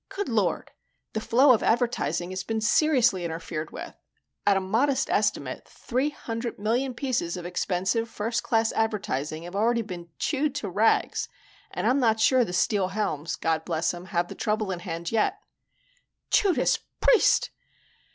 "Good Lord!" "The flow of advertising has been seriously interfered with. At a modest estimate, three hundred million pieces of expensive first class advertising have already been chewed to rags and I'm not sure the Steel Helms God bless 'em! have the trouble in hand yet." "Judas Priest!"